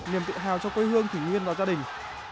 niềm tự hào cho quê hương thủy nguyên và gia đình